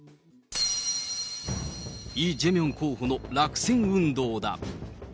イ・ジェミョン候補の落選運動だ。